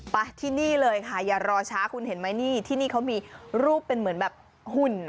ไปที่นี่เลยค่ะอย่ารอช้าคุณเห็นไหมนี่ที่นี่เขามีรูปเป็นเหมือนแบบหุ่น